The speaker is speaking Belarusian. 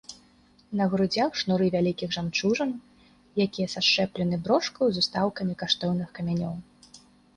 На грудзях шнуры вялікіх жамчужын, якія сашчэплены брошкаю з устаўкамі каштоўных камянёў.